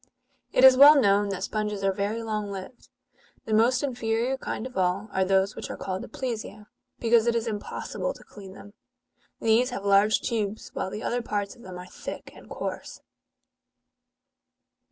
It is well known that sponges are very long lived. The most inferior kind of all are those which are called " aplysise,"^^ because it is impossible to clean them : these have large tubes, while the other parts of them are thick and coarse.